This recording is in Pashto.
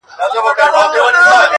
د کسبونو جایدادونو ګروېږني!!